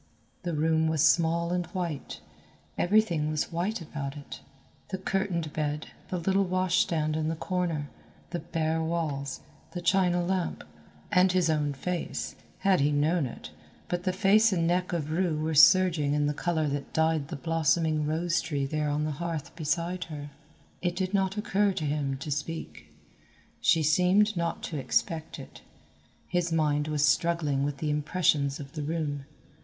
The room was small and white; everything was white about it, the curtained bed, the little wash stand in the corner, the bare walls, the china lamp, and his own face, had he known it, but the face and neck of Rue were surging in the colour that dyed the blossoming rose tree there on the hearth beside her. It did not occur to him to speak. She seemed not to expect it. His mind was struggling with the impressions of the room.